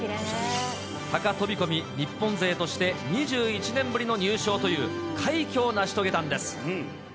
高飛込、日本勢として２１年ぶりの入賞という快挙を成し遂げたんです。